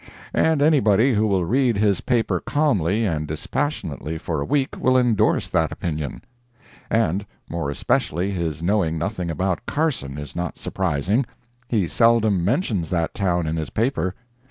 And anybody who will read his paper calmly and dispassionately for a week will endorse that opinion. And more especially his knowing nothing about Carson, is not surprising; he seldom mentions that town in his paper.